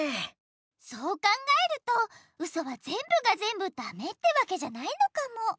そう考えるとウソはぜんぶがぜんぶダメってわけじゃないのかも。